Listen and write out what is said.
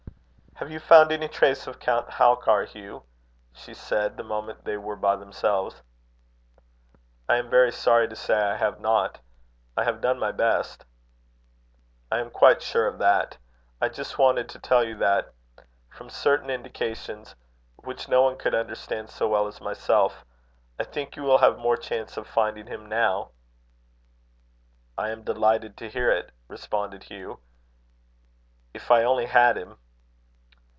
"Have you found any trace of Count Halkar, Hugh?" she said, the moment they were by themselves. "I am very sorry to say I have not. I have done my best." "I am quite sure of that. I just wanted to tell you, that, from certain indications which no one could understand so well as myself, I think you will have more chance of finding him now." "I am delighted to hear it," responded Hugh. "If I only had him!"